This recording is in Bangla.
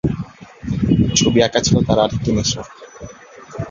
ছবি আঁকা ছিল তার আরেকটি নেশা।